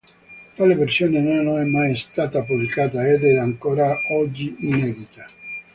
Tale versione non è mai stata pubblicata ed è ancora oggi inedita.